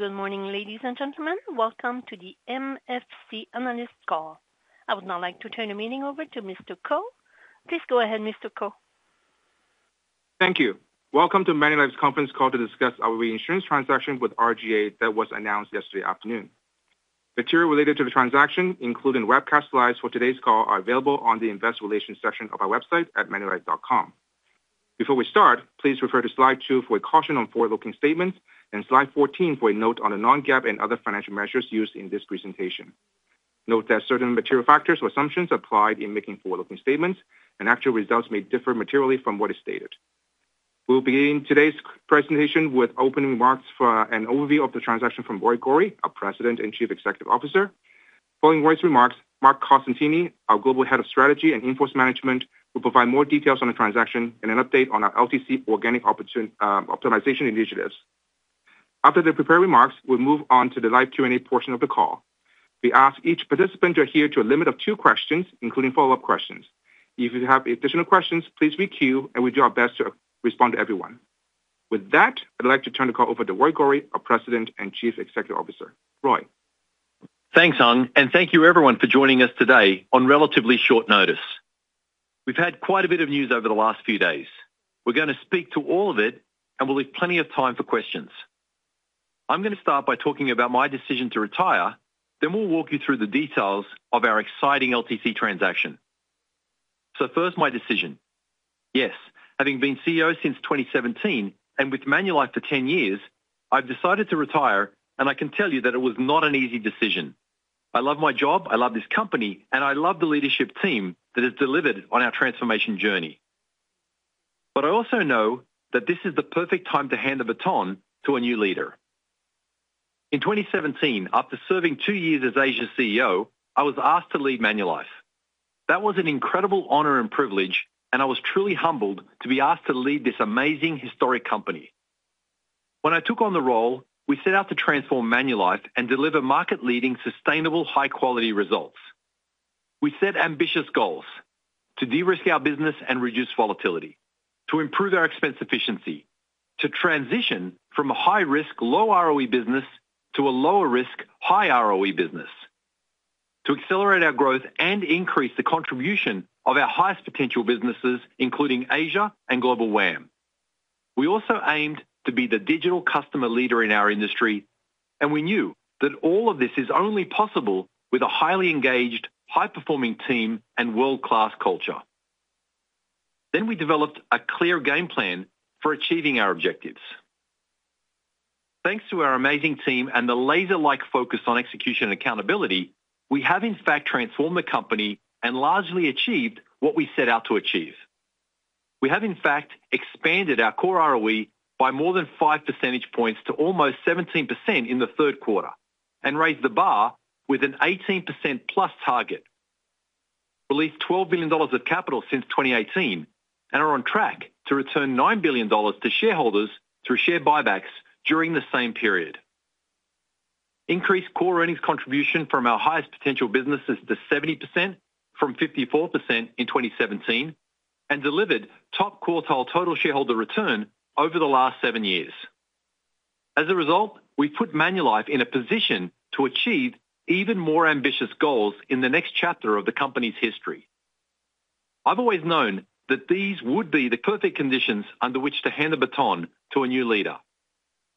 Good morning, ladies and gentlemen. Welcome to the MFC Analyst Call. I would now like to turn the meeting over to Mr. Ko. Please go ahead, Mr. Ko. Thank you. Welcome to Manulife's conference call to discuss our reinsurance transaction with RGA that was announced yesterday afternoon. Material related to the transaction, including webcast slides for today's call, are available on the Investor Relations section of our website at manulife.com. Before we start, please refer to slide 2 for a caution on forward-looking statements and slide 14 for a note on the non-GAAP and other financial measures used in this presentation. Note that certain material factors or assumptions apply in making forward-looking statements, and actual results may differ materially from what is stated. We will begin today's presentation with opening remarks for an overview of the transaction from Roy Gori, our President and Chief Executive Officer. Following Roy's remarks, Marc Costantini, our Global Head of Strategy and Inforce Management, will provide more details on the transaction and an update on our LTC Organic Optimization Initiatives. After the prepared remarks, we'll move on to the live Q&A portion of the call. We ask each participant to adhere to a limit of two questions, including follow-up questions. If you have additional questions, please re-queue, and we'll do our best to respond to everyone. With that, I'd like to turn the call over to Roy Gori, our President and Chief Executive Officer. Roy. Thanks, Han and thank you, everyone, for joining us today on relatively short notice. We've had quite a bit of news over the last few days. We're going to speak to all of it, and we'll leave plenty of time for questions. I'm going to start by talking about my decision to retire, then we'll walk you through the details of our exciting LTC transaction, so first, my decision. Yes, having been CEO since 2017 and with Manulife for 10 years, I've decided to retire, and I can tell you that it was not an easy decision. I love my job, I love this company, and I love the leadership team that has delivered on our transformation journey, but I also know that this is the perfect time to hand the baton to a new leader. In 2017, after serving two years as Asia's CEO, I was asked to lead Manulife. That was an incredible honor and privilege, and I was truly humbled to be asked to lead this amazing, historic company. When I took on the role, we set out to transform Manulife and deliver market-leading, sustainable, high-quality results. We set ambitious goals: to de-risk our business and reduce volatility, to improve our expense efficiency, to transition from a high-risk, low-ROE business to a lower-risk, high-ROE business, to accelerate our growth and increase the contribution of our highest potential businesses, including Asia and global WAM. We also aimed to be the digital customer leader in our industry, and we knew that all of this is only possible with a highly engaged, high-performing team, and world-class culture, then we developed a clear game plan for achieving our objectives. Thanks to our amazing team and the laser-like focus on execution and accountability, we have, in fact, transformed the company and largely achieved what we set out to achieve. We have, in fact, expanded our core ROE by more than five percentage points to almost 17% in the third quarter and raised the bar with an 18%-plus target. We've released $12 billion of capital since 2018 and are on track to return $9 billion to shareholders through share buybacks during the same period. Increased core earnings contribution from our highest potential businesses to 70% from 54% in 2017 and delivered top quartile total shareholder return over the last seven years. As a result, we've put Manulife in a position to achieve even more ambitious goals in the next chapter of the company's history. I've always known that these would be the perfect conditions under which to hand the baton to a new leader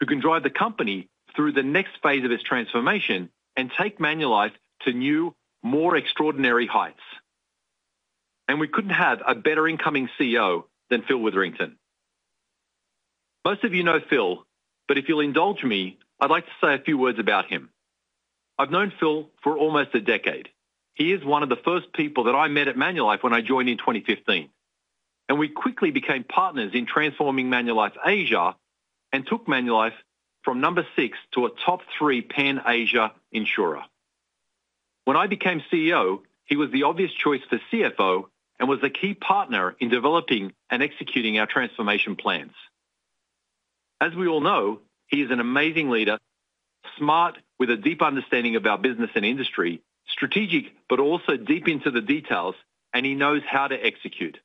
who can drive the company through the next phase of its transformation and take Manulife to new, more extraordinary heights. And we couldn't have a better incoming CEO than Phil Witherington. Most of you know Phil, but if you'll indulge me, I'd like to say a few words about him. I've known Phil for almost a decade. He is one of the first people that I met at Manulife when I joined in 2015, and we quickly became partners in transforming Manulife's Asia and took Manulife from number six to a top three Pan-Asia insurer. When I became CEO, he was the obvious choice for CFO and was a key partner in developing and executing our transformation plans. As we all know, he is an amazing leader, smart with a deep understanding of our business and industry, strategic but also deep into the details, and he knows how to execute.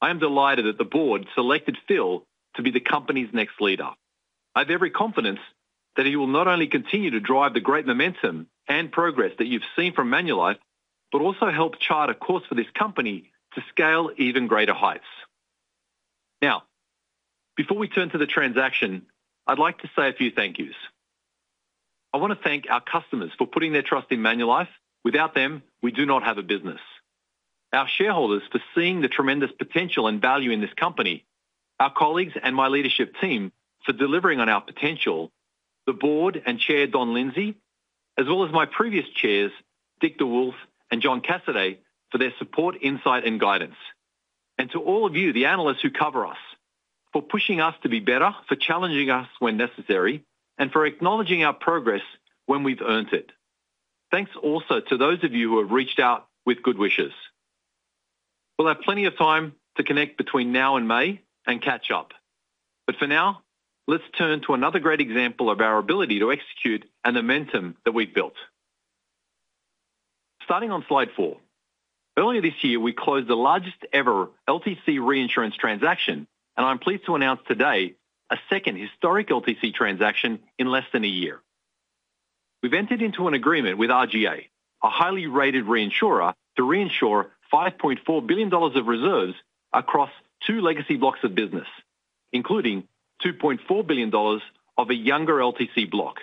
I am delighted that the board selected Phil to be the company's next leader. I have every confidence that he will not only continue to drive the great momentum and progress that you've seen from Manulife but also help chart a course for this company to scale even greater heights. Now, before we turn to the transaction, I'd like to say a few thank yous. I want to thank our customers for putting their trust in Manulife. Without them, we do not have a business. Our shareholders for seeing the tremendous potential and value in this company, our colleagues and my leadership team for delivering on our potential, the board and Chair Don Lindsay, as well as my previous chairs, Dick DeWolfe and John Cassaday, for their support, insight, and guidance, and to all of you, the analysts who cover us, for pushing us to be better, for challenging us when necessary, and for acknowledging our progress when we've earned it. Thanks also to those of you who have reached out with good wishes. We'll have plenty of time to connect between now and May and catch up, but for now, let's turn to another great example of our ability to execute and the momentum that we've built. Starting on slide 4, earlier this year, we closed the largest-ever LTC reinsurance transaction, and I'm pleased to announce today a second historic LTC transaction in less than a year. We've entered into an agreement with RGA, a highly rated reinsurer, to reinsure $5.4 billion of reserves across two legacy blocks of business, including $2.4 billion of a younger LTC block.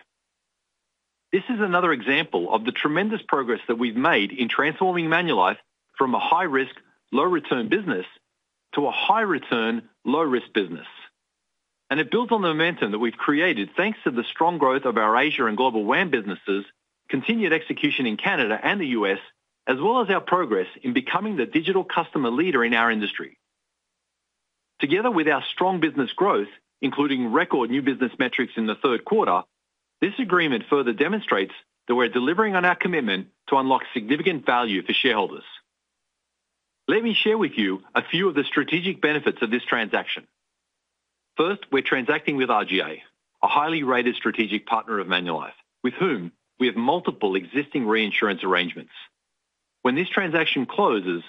This is another example of the tremendous progress that we've made in transforming Manulife from a high-risk, low-return business to a high-return, low-risk business. And it builds on the momentum that we've created thanks to the strong growth of our Asia and global WAM businesses, continued execution in Canada and the U.S., as well as our progress in becoming the digital customer leader in our industry. Together with our strong business growth, including record new business metrics in the third quarter, this agreement further demonstrates that we're delivering on our commitment to unlock significant value for shareholders. Let me share with you a few of the strategic benefits of this transaction. First, we're transacting with RGA, a highly rated strategic partner of Manulife, with whom we have multiple existing reinsurance arrangements. When this transaction closes,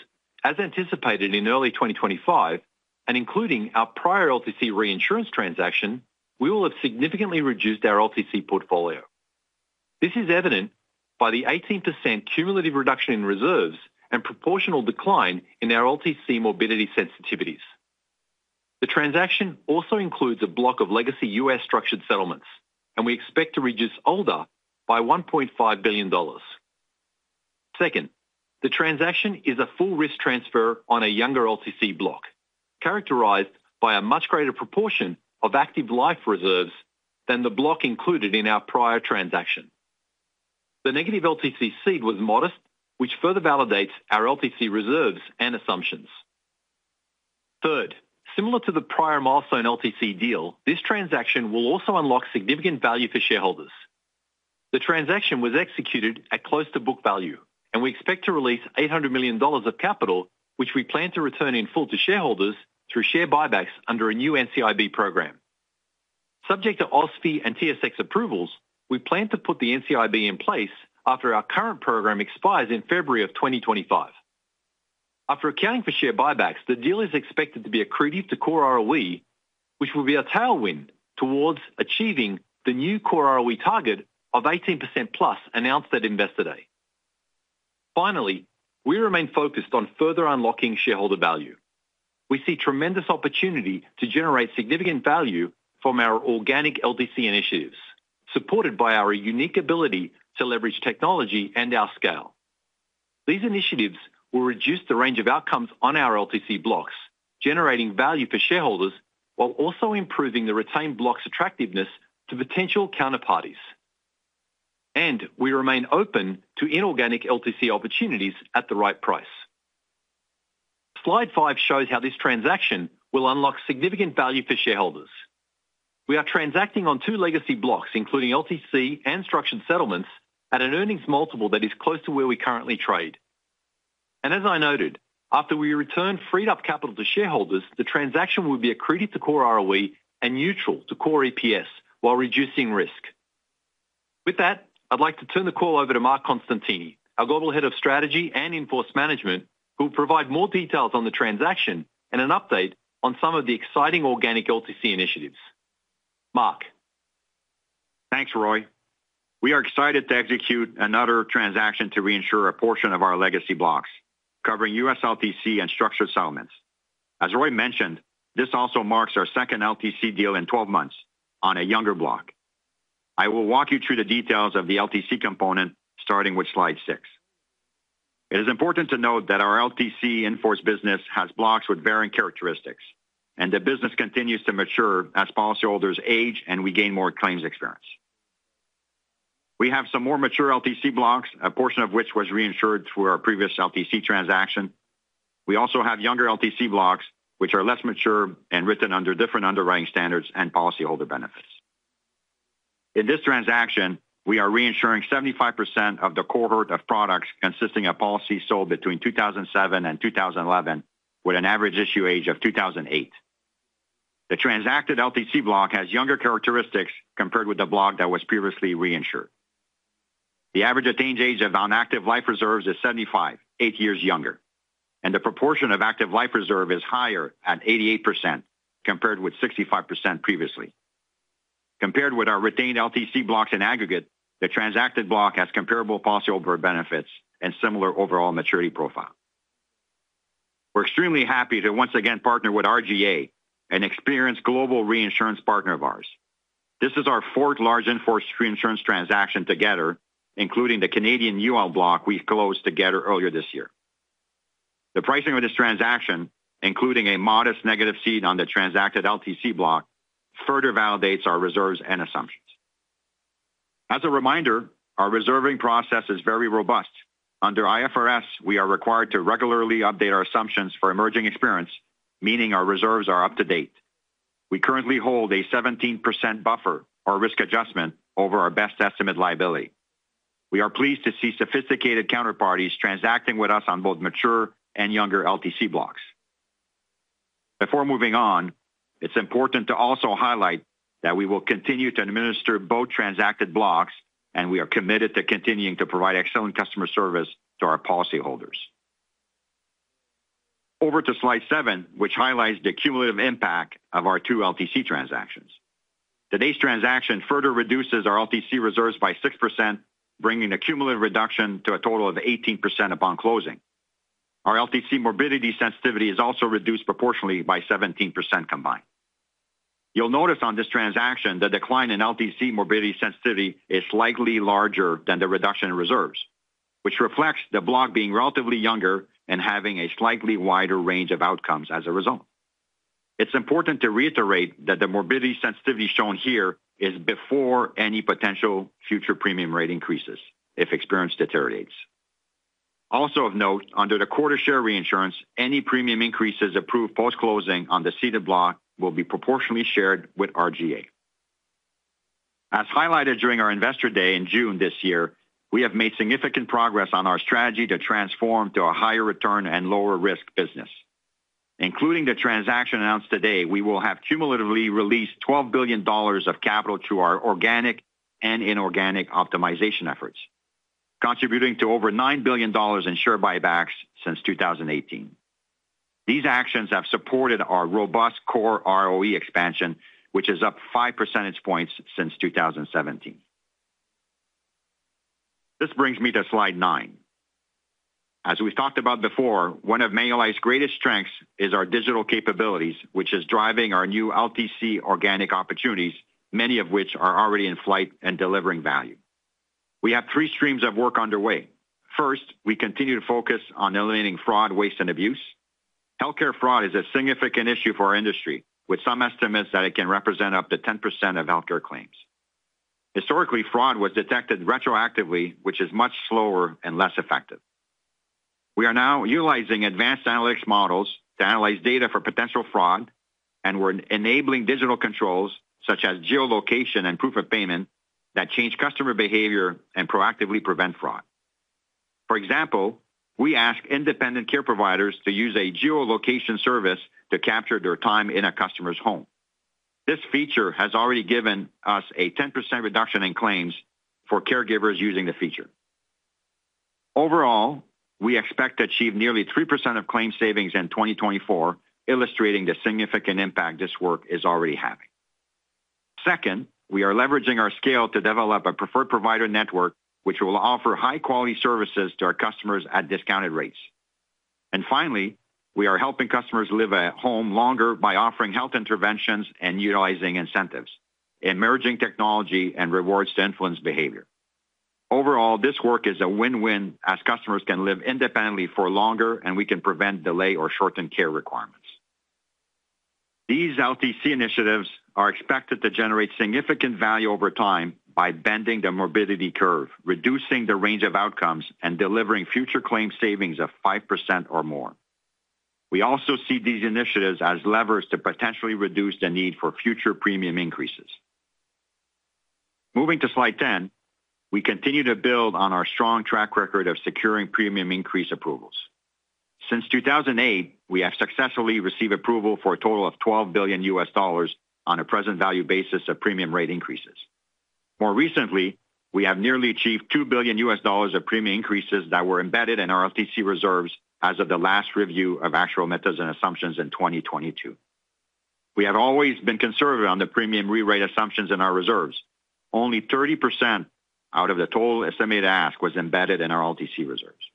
as anticipated in early 2025, and including our prior LTC reinsurance transaction, we will have significantly reduced our LTC portfolio. This is evident by the 18% cumulative reduction in reserves and proportional decline in our LTC morbidity sensitivities. The transaction also includes a block of legacy U.S. structured settlements, and we expect to reduce reserves by $1.5 billion. Second, the transaction is a full-risk transfer on a younger LTC block, characterized by a much greater proportion of active life reserves than the block included in our prior transaction. The negative ceding commission was modest, which further validates our LTC reserves and assumptions. Third, similar to the prior milestone LTC deal, this transaction will also unlock significant value for shareholders. The transaction was executed at close to book value, and we expect to release $800 million of capital, which we plan to return in full to shareholders through share buybacks under a new NCIB program. Subject to OSFI and TSX approvals, we plan to put the NCIB in place after our current program expires in February of 2025. After accounting for share buybacks, the deal is expected to be accretive to core ROE, which will be a tailwind towards achieving the new core ROE target of 18%-plus announced at Investor Day. Finally, we remain focused on further unlocking shareholder value. We see tremendous opportunity to generate significant value from our organic LTC initiatives, supported by our unique ability to leverage technology and our scale. These initiatives will reduce the range of outcomes on our LTC blocks, generating value for shareholders while also improving the retained block's attractiveness to potential counterparties, and we remain open to inorganic LTC opportunities at the right price. Slide 5 shows how this transaction will unlock significant value for shareholders. We are transacting on two legacy blocks, including LTC and structured settlements, at an earnings multiple that is close to where we currently trade. As I noted, after we return freed-up capital to shareholders, the transaction will be accretive to core ROE and neutral to core EPS while reducing risk. With that, I'd like to turn the call over to Marc Costantini, our Global Head of Strategy and Inforce Management, who will provide more details on the transaction and an update on some of the exciting organic LTC initiatives. Marc. Thanks, Roy. We are excited to execute another transaction to reinsure a portion of our legacy blocks, covering U.S. LTC and structured settlements. As Roy mentioned, this also marks our second LTC deal in 12 months on a younger block. I will walk you through the details of the LTC component, starting with slide 6. It is important to note that our LTC in-force business has blocks with varying characteristics, and the business continues to mature as policyholders age and we gain more claims experience. We have some more mature LTC blocks, a portion of which was reinsured through our previous LTC transaction. We also have younger LTC blocks, which are less mature and written under different underwriting standards and policyholder benefits. In this transaction, we are reinsuring 75% of the cohort of products consisting of policies sold between 2007 and 2011, with an average issue age of 2008. The transacted LTC block has younger characteristics compared with the block that was previously reinsured. The average attained age of non-active life reserves is 75, eight years younger, and the proportion of active life reserve is higher at 88% compared with 65% previously. Compared with our retained LTC blocks in aggregate, the transacted block has comparable policyholder benefits and similar overall maturity profile. We're extremely happy to once again partner with RGA, an experienced global reinsurance partner of ours. This is our fourth large in-force reinsurance transaction together, including the Canadian UL block we closed together earlier this year. The pricing of this transaction, including a modest negative ceding commission on the transacted LTC block, further validates our reserves and assumptions. As a reminder, our reserving process is very robust. Under IFRS, we are required to regularly update our assumptions for emerging experience, meaning our reserves are up to date. We currently hold a 17% buffer or risk adjustment over our best estimate liability. We are pleased to see sophisticated counterparties transacting with us on both mature and younger LTC blocks. Before moving on, it's important to also highlight that we will continue to administer both transacted blocks, and we are committed to continuing to provide excellent customer service to our policyholders. Over to slide 7, which highlights the cumulative impact of our two LTC transactions. Today's transaction further reduces our LTC reserves by 6%, bringing a cumulative reduction to a total of 18% upon closing. Our LTC morbidity sensitivity is also reduced proportionally by 17% combined. You'll notice on this transaction the decline in LTC morbidity sensitivity is slightly larger than the reduction in reserves, which reflects the block being relatively younger and having a slightly wider range of outcomes as a result. It's important to reiterate that the morbidity sensitivity shown here is before any potential future premium rate increases if experience deteriorates. Also of note, under the quota share reinsurance, any premium increases approved post-closing on the ceded block will be proportionally shared with RGA. As highlighted during our Investor Day in June this year, we have made significant progress on our strategy to transform to a higher return and lower risk business. Including the transaction announced today, we will have cumulatively released $12 billion of capital to our organic and inorganic optimization efforts, contributing to over $9 billion in share buybacks since 2018. These actions have supported our robust core ROE expansion, which is up 5 percentage points since 2017. This brings me to slide 9. As we've talked about before, one of Manulife's greatest strengths is our digital capabilities, which is driving our new LTC organic opportunities, many of which are already in flight and delivering value. We have three streams of work underway. First, we continue to focus on eliminating fraud, waste, and abuse. Healthcare fraud is a significant issue for our industry, with some estimates that it can represent up to 10% of healthcare claims. Historically, fraud was detected retroactively, which is much slower and less effective. We are now utilizing advanced analytics models to analyze data for potential fraud, and we're enabling digital controls such as geolocation and proof of payment that change customer behavior and proactively prevent fraud. For example, we ask independent care providers to use a geolocation service to capture their time in a customer's home. This feature has already given us a 10% reduction in claims for caregivers using the feature. Overall, we expect to achieve nearly 3% of claim savings in 2024, illustrating the significant impact this work is already having. Second, we are leveraging our scale to develop a preferred provider network, which will offer high-quality services to our customers at discounted rates. And finally, we are helping customers live at home longer by offering health interventions and utilizing incentives, emerging technology, and rewards to influence behavior. Overall, this work is a win-win as customers can live independently for longer and we can prevent delay or shorten care requirements. These LTC initiatives are expected to generate significant value over time by bending the morbidity curve, reducing the range of outcomes, and delivering future claim savings of 5% or more. We also see these initiatives as levers to potentially reduce the need for future premium increases. Moving to slide 10, we continue to build on our strong track record of securing premium increase approvals. Since 2008, we have successfully received approval for a total of $12 billion on a present value basis of premium rate increases. More recently, we have nearly achieved $2 billion of premium increases that were embedded in our LTC reserves as of the last review of actuarial methods and assumptions in 2022. We have always been conservative on the premium re-rate assumptions in our reserves. Only 30% out of the total estimated ask was embedded in our LTC reserves.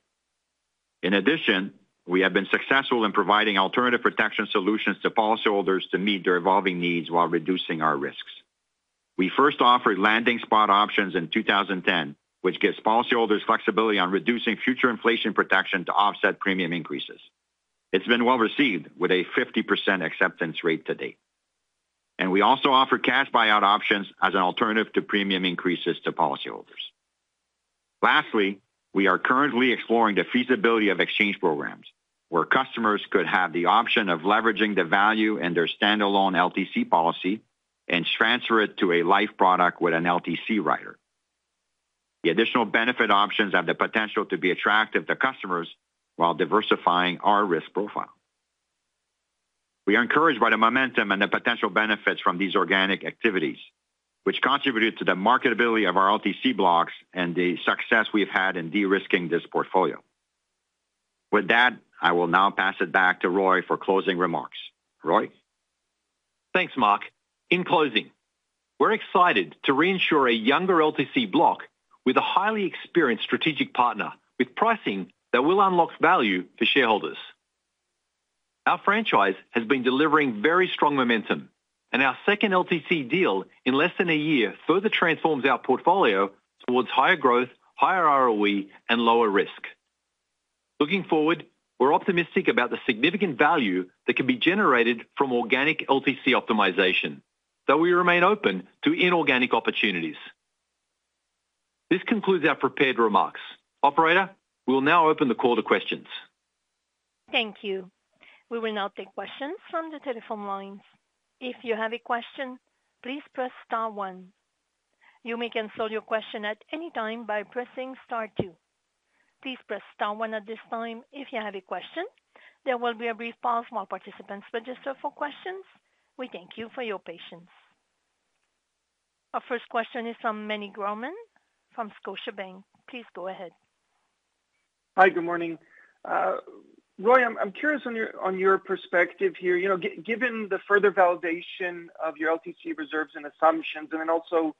In addition, we have been successful in providing alternative protection solutions to policyholders to meet their evolving needs while reducing our risks. We first offered landing spot options in 2010, which gives policyholders flexibility on reducing future inflation protection to offset premium increases. It's been well received with a 50% acceptance rate to date. And we also offer cash buyout options as an alternative to premium increases to policyholders. Lastly, we are currently exploring the feasibility of exchange programs where customers could have the option of leveraging the value in their standalone LTC policy and transfer it to a life product with an LTC rider. The additional benefit options have the potential to be attractive to customers while diversifying our risk profile. We are encouraged by the momentum and the potential benefits from these organic activities, which contributed to the marketability of our LTC blocks and the success we've had in de-risking this portfolio. With that, I will now pass it back to Roy for closing remarks. Roy? Thanks, Marc. In closing, we're excited to reinsure a younger LTC block with a highly experienced strategic partner with pricing that will unlock value to shareholders. Our franchise has been delivering very strong momentum, and our second LTC deal in less than a year further transforms our portfolio towards higher growth, higher ROE, and lower risk. Looking forward, we're optimistic about the significant value that can be generated from organic LTC optimization, though we remain open to inorganic opportunities. This concludes our prepared remarks. Operator, we'll now open the call to questions. Thank you. We will now take questions from the telephone lines. If you have a question, please press star one. You may cancel your question at any time by pressing star two. Please press star one at this time if you have a question. There will be a brief pause while participants register for questions. We thank you for your patience. Our first question is from Meny Grauman from Scotiabank. Please go ahead. Hi, good morning. Roy, I'm curious on your perspective here. Given the further validation of your LTC reserves and assumptions, and then also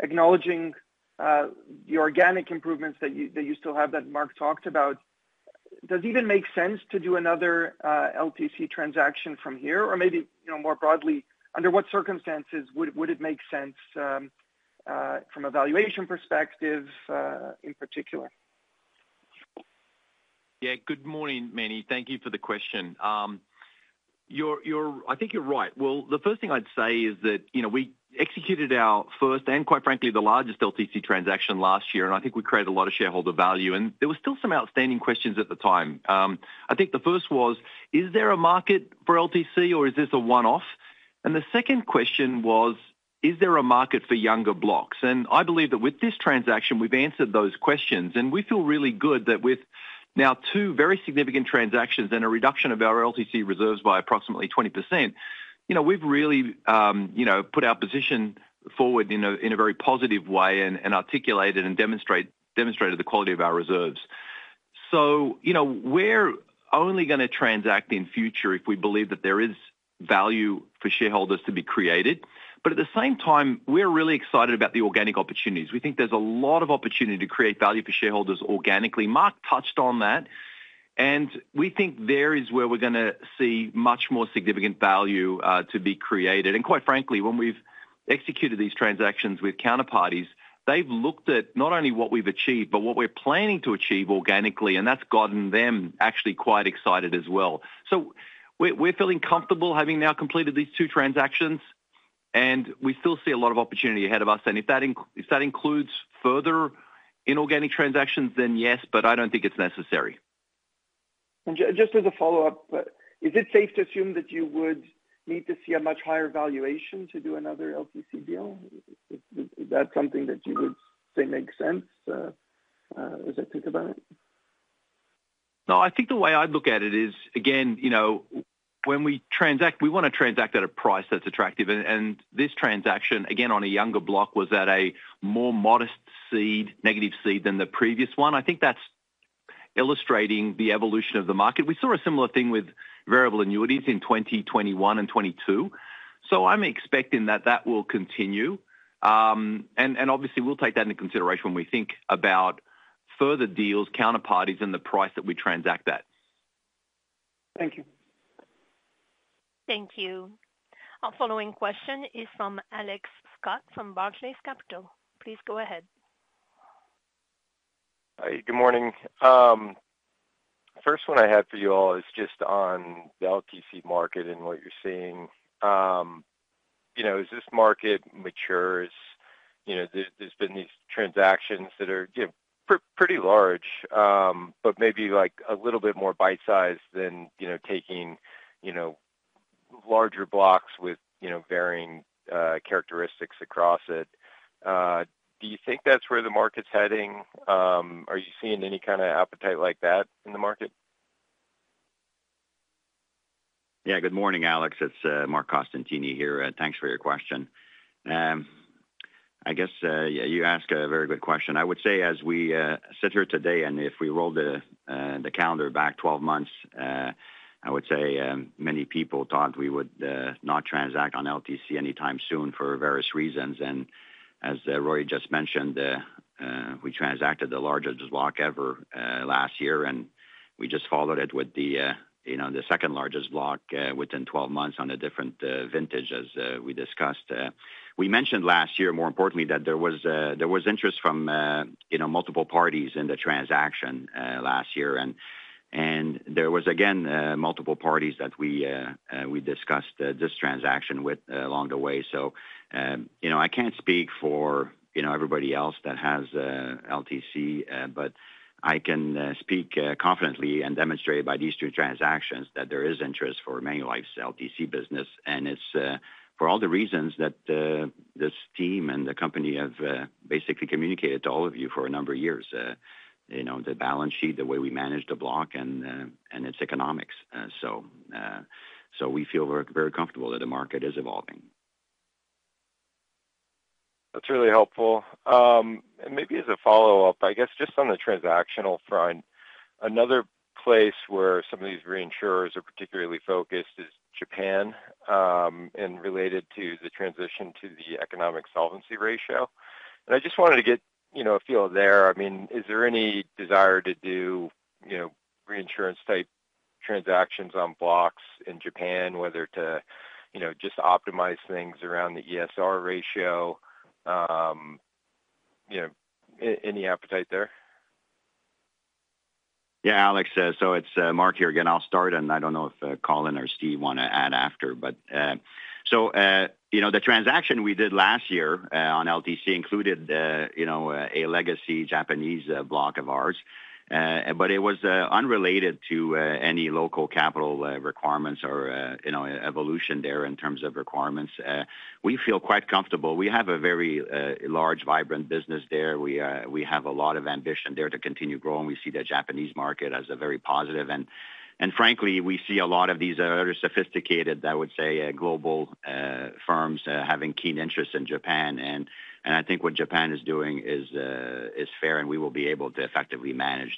acknowledging the organic improvements that you still have that Marc talked about. Does it even make sense to do another LTC transaction from here or maybe more broadly, under what circumstances would it make sense from a valuation perspective in particular? Yeah, good morning, Meny. Thank you for the question. I think you're right. Well, the first thing I'd say is that we executed our first and, quite frankly, the largest LTC transaction last year, and I think we created a lot of shareholder value. And there were still some outstanding questions at the time. I think the first was, is there a market for LTC or is this a one-off? And the second question was, is there a market for younger blocks? And I believe that with this transaction, we've answered those questions, and we feel really good that with now two very significant transactions and a reduction of our LTC reserves by approximately 20%, we've really put our position forward in a very positive way and articulated and demonstrated the quality of our reserves. So we're only going to transact in future if we believe that there is value for shareholders to be created. But at the same time, we're really excited about the organic opportunities. We think there's a lot of opportunity to create value for shareholders organically. Marc touched on that, and we think there is where we're going to see much more significant value to be created. And quite frankly, when we've executed these transactions with counterparties, they've looked at not only what we've achieved, but what we're planning to achieve organically, and that's gotten them actually quite excited as well. So we're feeling comfortable having now completed these two transactions, and we still see a lot of opportunity ahead of us. And if that includes further inorganic transactions, then yes, but I don't think it's necessary. And just as a follow-up, is it safe to assume that you would need to see a much higher valuation to do another LTC deal? Is that something that you would say makes sense as you think about it? No, I think the way I'd look at it is, again, when we transact, we want to transact at a price that's attractive. And this transaction, again, on a younger block, was at a more modest ceding commission, negative ceding commission than the previous one. I think that's illustrating the evolution of the market. We saw a similar thing with variable annuities in 2021 and 2022. So I'm expecting that that will continue. And obviously, we'll take that into consideration when we think about further deals, counterparties, and the price that we transact at. Thank you. Thank you. Our following question is from Alex Scott from Barclays Capital. Please go ahead. Hi, good morning. First one I have for you all is just on the LTC market and what you're seeing. As this market matures, there's been these transactions that are pretty large, but maybe a little bit more bite-sized than taking larger blocks with varying characteristics across it. Do you think that's where the market's heading? Are you seeing any kind of appetite like that in the market? Yeah, good morning, Alex. It's Marc Costantini here. Thanks for your question. You asked a very good question. I would say as we sit here today, and if we roll the calendar back 12 months, I would say many people thought we would not transact on LTC anytime soon for various reasons. And as Roy just mentioned, we transacted the largest block ever last year, and we just followed it with the second largest block within 12 months on a different vintage, as we discussed. We mentioned last year, more importantly, that there was interest from multiple parties in the transaction last year. And there was, again, multiple parties that we discussed this transaction with along the way. So I can't speak for everybody else that has LTC, but I can speak confidently and demonstrate by these two transactions that there is interest for Manulife's LTC business. It's for all the reasons that this team and the company have basically communicated to all of you for a number of years, the balance sheet, the way we manage the block, and its economics. We feel very comfortable that the market is evolving. That's really helpful and maybe as a follow-up, just on the transactional front, another place where some of these reinsurers are particularly focused is Japan and related to the transition to the Economic Solvency Ratio, and I just wanted to get a feel there. I mean, is there any desire to do reinsurance-type transactions on blocks in Japan, whether to just optimize things around the ESR ratio? Any appetite there? Yeah, Alex, so it's Marc here again. I'll start, and I don't know if Colin or Steve want to add after, but. So the transaction we did last year on LTC included a legacy Japanese block of ours, but it was unrelated to any local capital requirements or evolution there in terms of requirements. We feel quite comfortable. We have a very large, vibrant business there. We have a lot of ambition there to continue growing. We see the Japanese market as very positive. And frankly, we see a lot of these other sophisticated, I would say, global firms having keen interest in Japan. And I think what Japan is doing is fair, and we will be able to effectively manage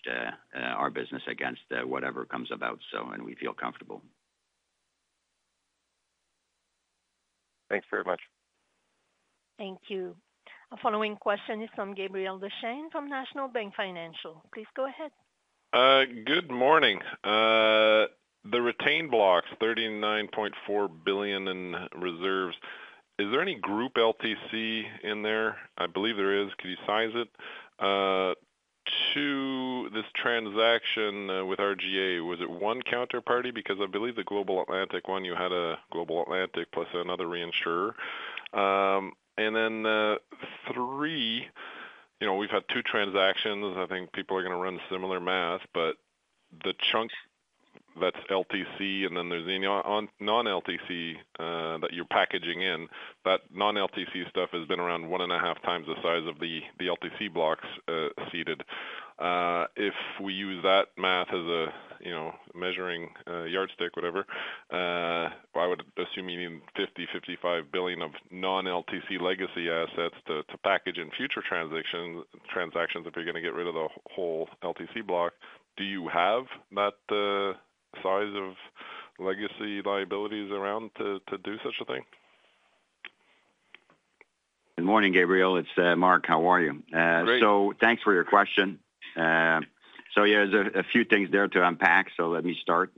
our business against whatever comes about, and we feel comfortable. Thanks very much. Thank you. Our following question is from Gabriel Dechaine from National Bank Financial. Please go ahead. Good morning. The retained blocks, $39.4 billion in reserves. Is there any group LTC in there? I believe there is. Could you size it? Two, this transaction with RGA, was it one counterparty? Because I believe the Global Atlantic one, you had a Global Atlantic plus another reinsurer. And then three, we've had two transactions. I think people are going to run similar math, but the chunk that's LTC, and then there's non-LTC that you're packaging in, that non-LTC stuff has been around one and a half times the size of the LTC blocks ceded. If we use that math as a measuring yardstick, whatever, I would assume you need $50 billion-$55 billion of non-LTC legacy assets to package in future transactions if you're going to get rid of the whole LTC block. Do you have that size of legacy liabilities around to do such a thing? Good morning, Gabriel. It's Marc. How are you? Great. So thanks for your question. So yeah, there's a few things there to unpack, so let me start.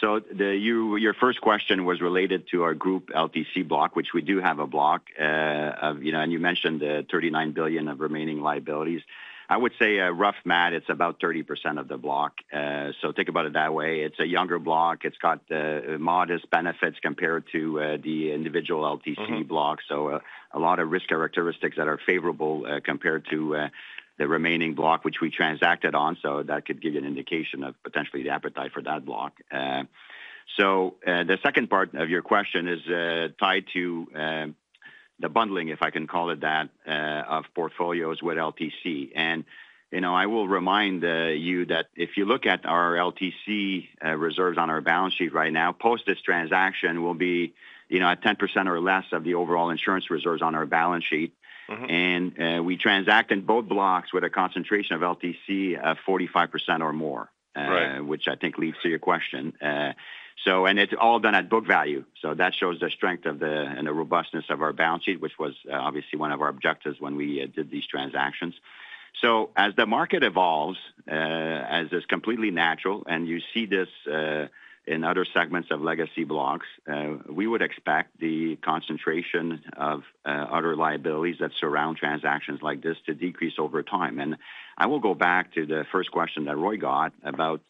So your first question was related to our group LTC block, which we do have a block, and you mentioned $39 billion of remaining liabilities. I would say rough math, it's about 30% of the block. So think about it that way. It's a younger block. It's got modest benefits compared to the individual LTC block. So a lot of risk characteristics that are favorable compared to the remaining block, which we transacted on. So that could give you an indication of potentially the appetite for that block. So the second part of your question is tied to the bundling, if I can call it that, of portfolios with LTC. And I will remind you that if you look at our LTC reserves on our balance sheet right now, post this transaction, we'll be at 10% or less of the overall insurance reserves on our balance sheet. And we transact in both blocks with a concentration of LTC of 45% or more, which I think leads to your question. And it's all done at book value. So that shows the strength and the robustness of our balance sheet, which was obviously one of our objectives when we did these transactions. So as the market evolves, as is completely natural, and you see this in other segments of legacy blocks, we would expect the concentration of other liabilities that surround transactions like this to decrease over time. And I will go back to the first question that Roy got about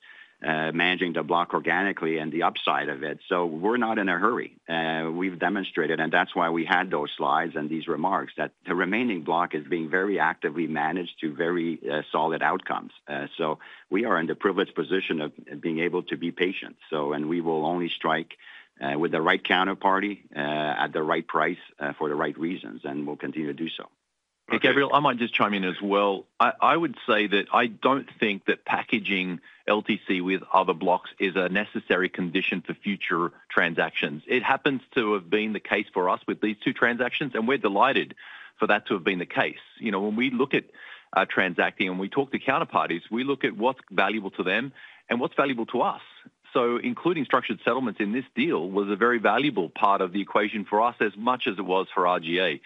managing the block organically and the upside of it. So we're not in a hurry. We've demonstrated, and that's why we had those slides and these remarks, that the remaining block is being very actively managed to very solid outcomes. So we are in the privileged position of being able to be patient. And we will only strike with the right counterparty at the right price for the right reasons, and we'll continue to do so. Hey, Gabriel, I might just chime in as well. I would say that I don't think that packaging LTC with other blocks is a necessary condition for future transactions. It happens to have been the case for us with these two transactions and we're delighted for that to have been the case. When we look at transacting and we talk to counterparties, we look at what's valuable to them and what's valuable to us. So including structured settlements in this deal was a very valuable part of the equation for us as much as it was for RGA.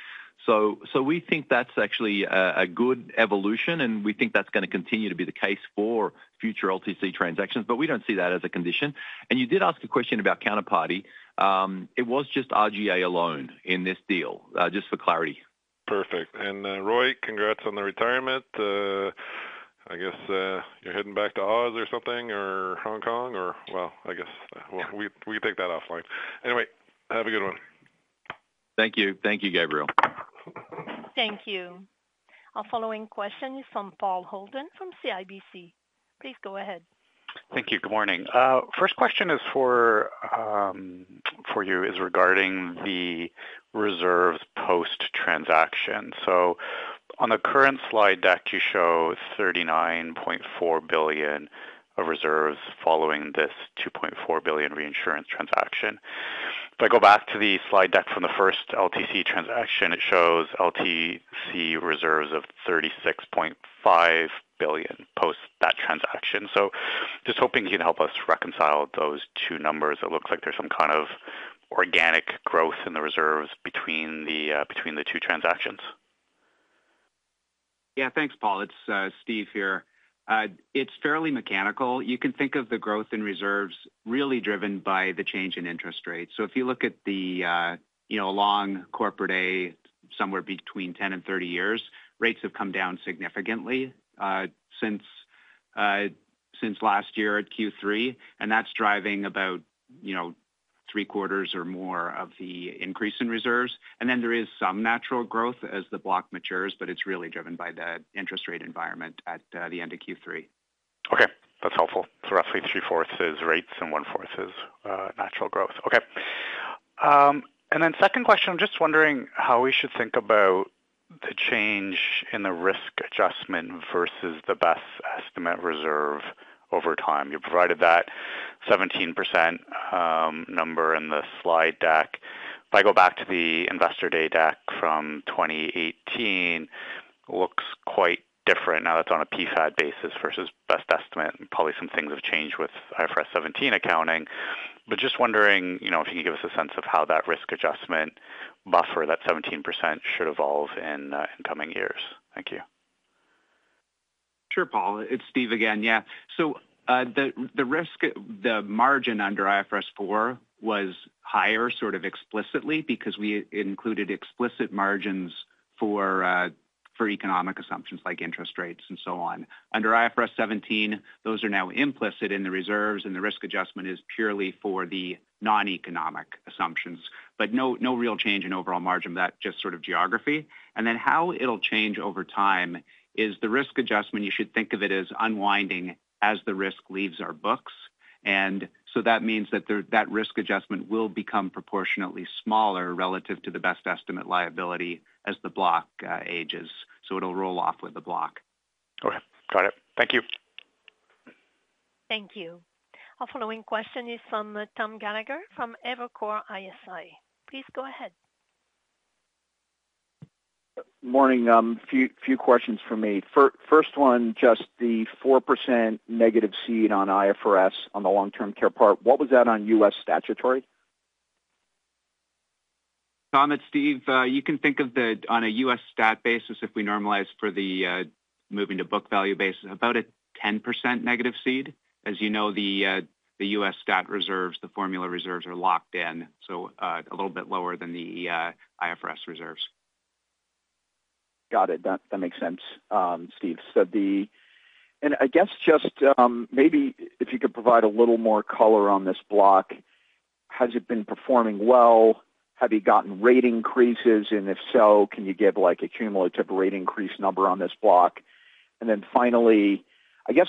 So we think that's actually a good evolution, and we think that's going to continue to be the case for future LTC transactions, but we don't see that as a condition. And you did ask a question about counterparty. It was just RGA alone in this deal, just for clarity. Perfect. And Roy, congrats on the retirement. You're heading back to Oz or something or Hong Kong, or well, I guess we can take that offline. Anyway, have a good one. Thank you. Thank you, Gabriel. Thank you. Our following question is from Paul Holden from CIBC. Please go ahead. Thank you. Good morning. First question for you is regarding the reserves post transaction. So on the current slide deck, you show $39.4 billion of reserves following this $2.4 billion reinsurance transaction. If I go back to the slide deck from the first LTC transaction, it shows LTC reserves of $36.5 billion post that transaction. So just hoping you can help us reconcile those two numbers. It looks like there's some kind of organic growth in the reserves between the two transactions. Yeah, thanks, Paul. It's Steve here. It's fairly mechanical. You can think of the growth in reserves really driven by the change in interest rates. So if you look at the long corporate A, somewhere between 10 years and 30 years, rates have come down significantly since last year at Q3, and that's driving about three-quarters or more of the increase in reserves. And then there is some natural growth as the block matures, but it's really driven by the interest rate environment at the end of Q3. Okay. That's helpful. So roughly 3/4 is rates and 1/4 is natural growth. Okay. And then second question, I'm just wondering how we should think about the change in the risk adjustment versus the best estimate reserve over time. You provided that 17% number in the slide deck. If I go back to the investor day deck from 2018, it looks quite different now. That's on a PfAD basis versus best estimate, and probably some things have changed with IFRS 17 accounting. But just wondering if you can give us a sense of how that risk adjustment buffer, that 17%, should evolve in coming years. Thank you. Sure, Paul. It's Steve again. Yeah, so the margin under IFRS 4 was higher sort of explicitly because we included explicit margins for economic assumptions like interest rates and so on. Under IFRS 17, those are now implicit in the reserves, and the risk adjustment is purely for the non-economic assumptions. But no real change in overall margin of that, just sort of geography, and then how it'll change over time is the risk adjustment. You should think of it as unwinding as the risk leaves our books, and so that means that that risk adjustment will become proportionately smaller relative to the best estimate liability as the block ages. So it'll roll off with the block. Okay. Got it. Thank you. Thank you. Our following question is from Tom Gallagher from Evercore ISI. Please go ahead. Morning. A few questions for me. First one, just the 4% negative feed on IFRS on the long-term care part, what was that on U.S. statutory? Tom, it's Steve. You can think of it on a U.S. stat basis, if we normalize for the moving to book value basis, about a 10% negative feed. As you know, the U.S. stat reserves, the formula reserves are locked in, so a little bit lower than the IFRS reserves. Got it. That makes sense, Steve. And just maybe if you could provide a little more color on this block, has it been performing well? Have you gotten rate increases? And if so, can you give a cumulative rate increase number on this block? And then finally,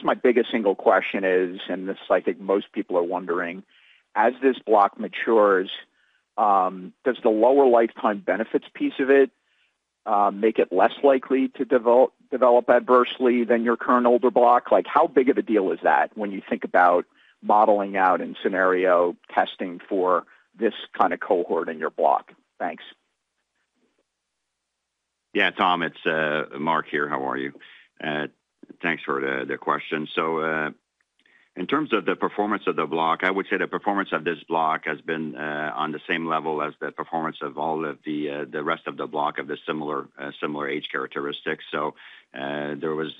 my biggest single question is, and this I think most people are wondering, as this block matures, does the lower lifetime benefits piece of it make it less likely to develop adversely than your current older block? How big of a deal is that when you think about modeling out and scenario testing for this kind of cohort in your block? Thanks. Yeah, Tom, it's Marc here. How are you? Thanks for the question. So in terms of the performance of the block, I would say the performance of this block has been on the same level as the performance of all of the rest of the block of the similar age characteristics. So there was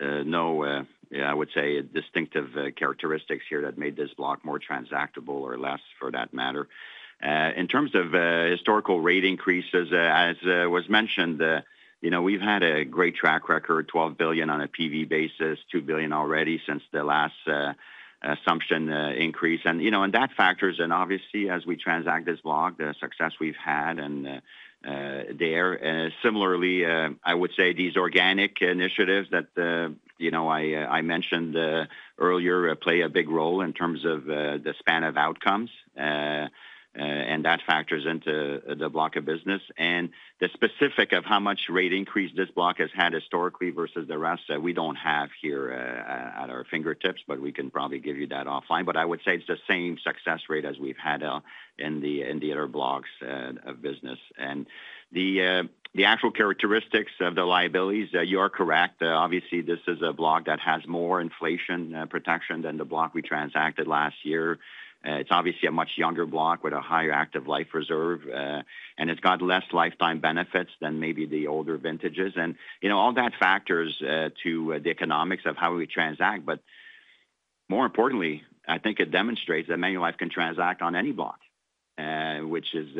no, I would say, distinctive characteristics here that made this block more transactable or less for that matter. In terms of historical rate increases, as was mentioned, we've had a great track record, $12 billion on a PV basis, $2 billion already since the last assumption increase. And that factors in, obviously, as we transact this block, the success we've had there. Similarly, I would say these organic initiatives that I mentioned earlier play a big role in terms of the span of outcomes, and that factors into the block of business. The specific of how much rate increase this block has had historically versus the rest, we don't have here at our fingertips, but we can probably give you that offline. But I would say it's the same success rate as we've had in the other blocks of business. The actual characteristics of the liabilities, you are correct. Obviously, this is a block that has more inflation protection than the block we transacted last year. It's obviously a much younger block with a higher active life reserve, and it's got less lifetime benefits than maybe the older vintages. All that factors to the economics of how we transact. But more importantly, I think it demonstrates that Manulife can transact on any block, which is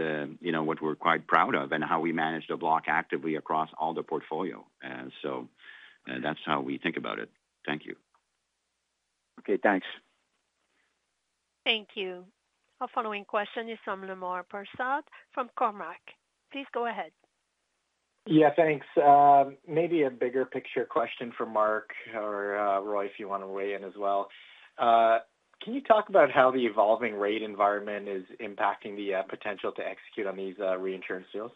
what we're quite proud of and how we manage the block actively across all the portfolio. That's how we think about it. Thank you. Okay. Thanks. Thank you. Our following question is from Lemar Persaud from Cormark. Please go ahead. Yeah, thanks. Maybe a bigger picture question for Marc or Roy if you want to weigh in as well. Can you talk about how the evolving rate environment is impacting the potential to execute on these reinsurance deals?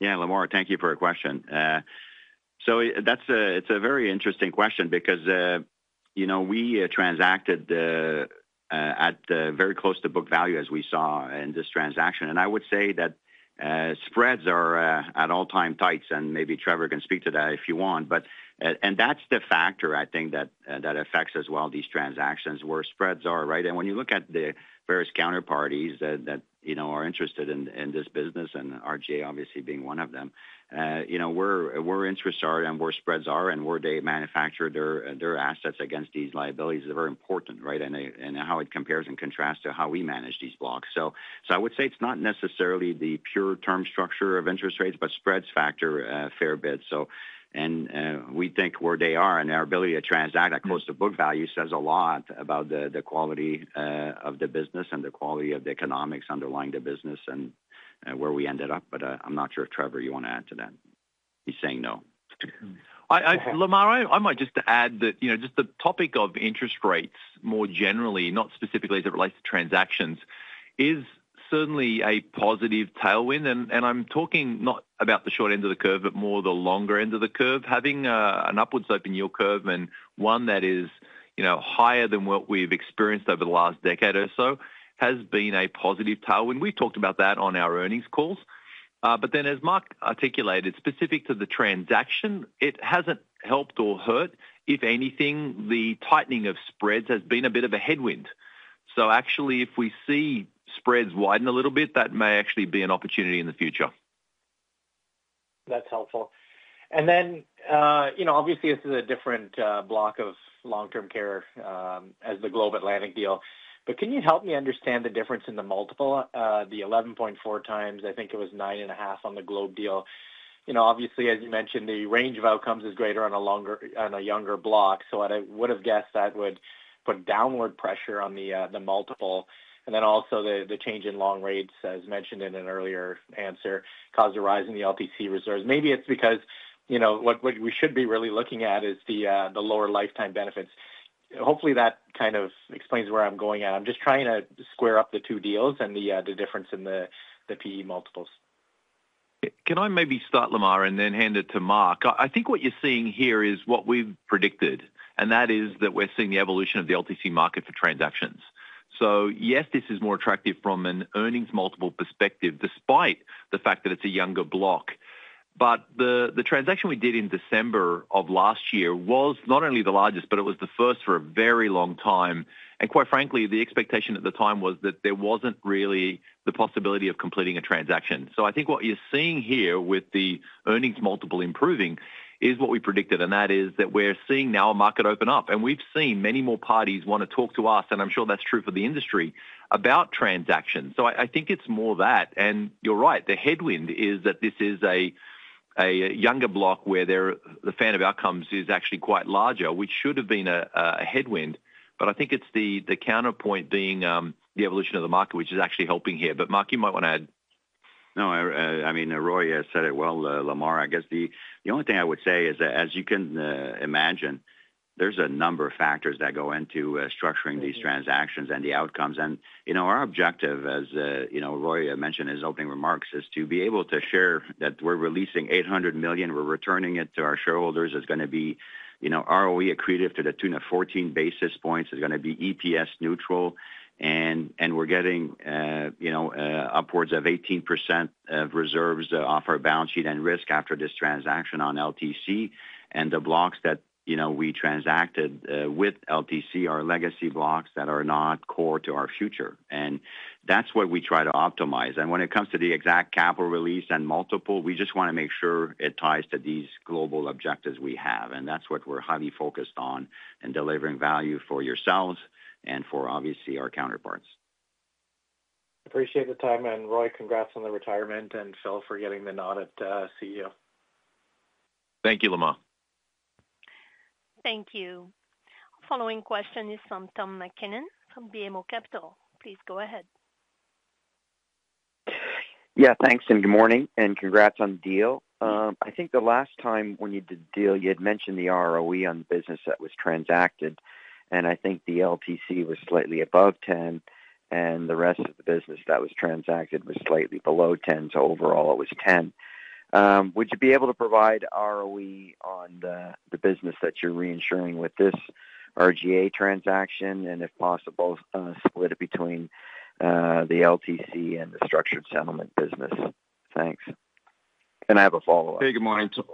Yeah, Lemar, thank you for your question. So it's a very interesting question because we transacted at very close to book value as we saw in this transaction. And I would say that spreads are at all-time tights, and maybe Trevor can speak to that if you want. And that's the factor, I think, that affects as well these transactions, where spreads are, right? And when you look at the various counterparties that are interested in this business, and RGA obviously being one of them, where interests are and where spreads are and where they manufacture their assets against these liabilities is very important, right, and how it compares and contrasts to how we manage these blocks. So I would say it's not necessarily the pure term structure of interest rates, but spreads factor a fair bit. We think where they are and our ability to transact at close to book value says a lot about the quality of the business and the quality of the economics underlying the business and where we ended up. I'm not sure if Trevor, you want to add to that. He's saying no. Lemar, I might just add that just the topic of interest rates more generally, not specifically as it relates to transactions, is certainly a positive tailwind. And I'm talking not about the short end of the curve, but more the longer end of the curve. Having an upward-sloping yield curve and one that is higher than what we've experienced over the last decade or so has been a positive tailwind. We've talked about that on our earnings calls. But then, as Marc articulated, specific to the transaction, it hasn't helped or hurt. If anything, the tightening of spreads has been a bit of a headwind. So actually, if we see spreads widen a little bit, that may actually be an opportunity in the future. That's helpful. And then, obviously, this is a different block of long-term care as the Global Atlantic deal. But can you help me understand the difference in the multiple? The 11.4x, I think it was 9.5x on the Global Atlantic deal. Obviously, as you mentioned, the range of outcomes is greater on a younger block. So I would have guessed that would put downward pressure on the multiple. And then also the change in long rates, as mentioned in an earlier answer, caused a rise in the LTC reserves. Maybe it's because what we should be really looking at is the lower lifetime benefits. Hopefully, that kind of explains where I'm going at. I'm just trying to square up the two deals and the difference in the PE multiples. Can I maybe start, Lemar, and then hand it to Marc? I think what you're seeing here is what we've predicted, and that is that we're seeing the evolution of the LTC market for transactions. So yes, this is more attractive from an earnings multiple perspective despite the fact that it's a younger block. But the transaction we did in December of last year was not only the largest but it was the first for a very long time. And quite frankly, the expectation at the time was that there wasn't really the possibility of completing a transaction. So I think what you're seeing here with the earnings multiple improving is what we predicted, and that is that we're seeing now a market open up. And we've seen many more parties want to talk to us, and I'm sure that's true for the industry, about transactions. So I think it's more that and you're right. The headwind is that this is a younger block where the fan of outcomes is actually quite larger, which should have been a headwind. But I think it's the counterpoint being the evolution of the market, which is actually helping here. But Marc, you might want to add. No, I mean, Roy has said it well, Lemar. I guess the only thing I would say is that, as you can imagine, there's a number of factors that go into structuring these transactions and the outcomes. And our objective, as Roy mentioned in his opening remarks, is to be able to share that we're releasing 800 million. We're returning it to our shareholders. It's going to be ROE accretive to the tune of 14 basis points. It's going to be EPS neutral. And we're getting upwards of 18% of reserves off our balance sheet and risk after this transaction on LTC. And the blocks that we transacted with LTC are legacy blocks that are not core to our future. And that's what we try to optimize. When it comes to the exact capital release and multiple, we just want to make sure it ties to these global objectives we have. That's what we're highly focused on in delivering value for yourselves and for, obviously, our counterparts. Appreciate the time. And Roy, congrats on the retirement and Phil for getting the nod at CEO. Thank you, Lemar. Thank you. Following question is from Tom MacKinnon from BMO Capital. Please go ahead. Yeah, thanks, and good morning, and congrats on the deal. I think the last time when you did the deal, you had mentioned the ROE on the business that was transacted. And I think the LTC was slightly above 10, and the rest of the business that was transacted was slightly below 10, so overall, it was 10. Would you be able to provide ROE on the business that you're reinsuring with this RGA transaction? And if possible, split it between the LTC and the structured settlement business. Thanks, and I have a follow-up. Hey, good morning, Tom.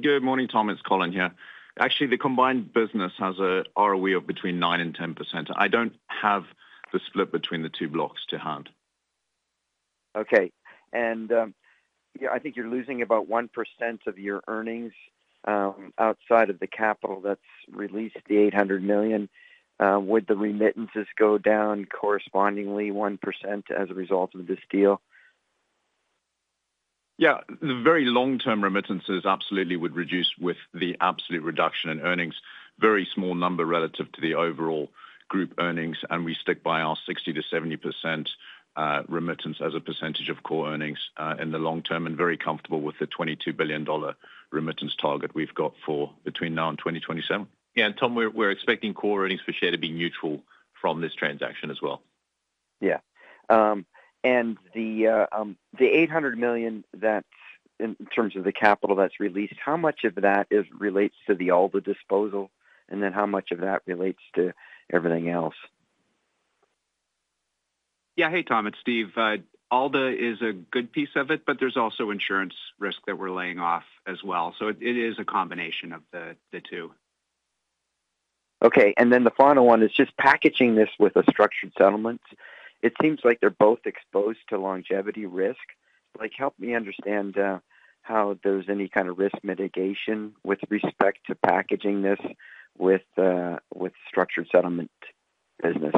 Good morning, Tom. It's Colin here. Actually, the combined business has an ROE of between 9% and 10%. I don't have the split between the two blocks to hand. Okay, and I think you're losing about 1% of your earnings outside of the capital that's released 800 million. Would the remittances go down correspondingly 1% as a result of this deal? Yeah. The very long-term remittances absolutely would reduce with the absolute reduction in earnings, a very small number relative to the overall group earnings. And we stick by our 60% to 70% remittance as a percentage of core earnings in the long term and very comfortable with the $22 billion remittance target we've got for between now and 2027. And Tom, we're expecting core earnings per share to be neutral from this transaction as well. Yeah, and the C$800 million that in terms of the capital that's released, how much of that relates to the ALDA disposal? And then how much of that relates to everything else? Yeah. Hey, Tom. It's Steve. ALDA is a good piece of it but there's also insurance risk that we're laying off as well. So it is a combination of the two. Okay. And then the final one is just packaging this with a structured settlement. It seems like they're both exposed to longevity risk. Help me understand how there's any kind of risk mitigation with respect to packaging this with structured settlement business.